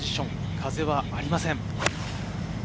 風はありません。